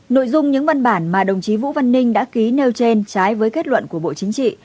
nội dung những văn bản mà đồng chí vũ văn ninh đã ký nêu trên trái với kết luận của bộ chính trị